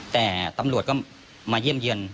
แต่ตำรวจก็มาเยี่ยมเยือน